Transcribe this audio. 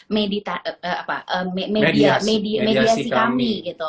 mediasi kami gitu